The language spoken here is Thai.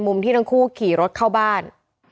ที่ทั้งคู่ขี่รถเข้าบ้าน